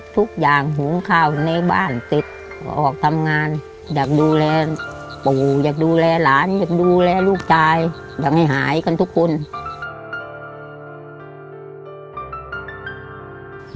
ทุกวันนี้